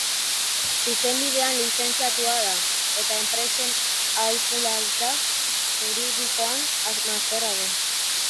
Zuzenbidean lizentziatua da eta Enpresen Aholkularitza Juridikoan masterra du.